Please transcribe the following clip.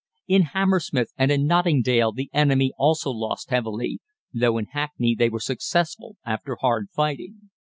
In Hammersmith and in Notting Dale the enemy also lost heavily, though in Hackney they were successful after hard fighting.